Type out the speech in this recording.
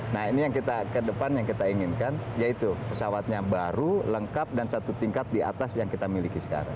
nah ini yang kita ke depan yang kita inginkan yaitu pesawatnya baru lengkap dan satu tingkat di atas yang kita miliki sekarang